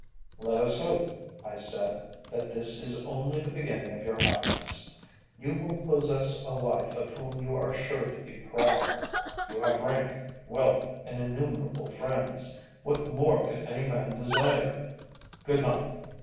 "Let us hope," I said, "that this is only the beginning of your happiness. You will possess a wife of whom you are sure to be proud; you have rank, wealth, and innumerable friends. What more could any man desire? Good night!"